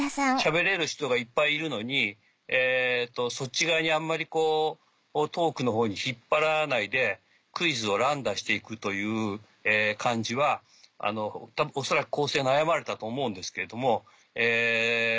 しゃべれる人がいっぱいいるのにそっち側にあんまりトークのほうに引っ張らないでクイズを乱打して行くという感じは恐らく構成を悩まれたと思うんですけれども。